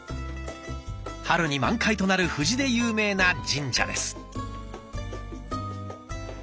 春に満開となる藤で有名な神社です。